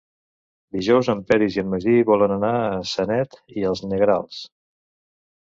Dijous en Peris i en Magí volen anar a Sanet i els Negrals.